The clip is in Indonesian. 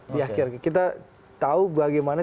di akhir kita tahu bagaimana